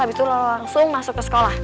habis itu langsung masuk ke sekolah